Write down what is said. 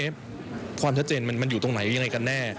ความชัดเจนมันอยู่ตรงไหนยังไงกันแน่